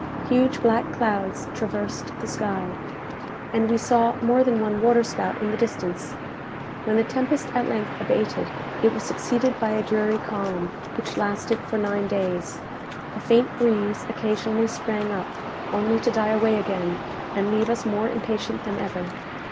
Huge black clouds traversed the sky, and we saw more than one water spout in the distance. When the tempest at length abated, it was succeeded by a dreary calm, which lasted for nine days. A faint breeze occasionally sprang up, only to die away again, and leave us more impatient than ever.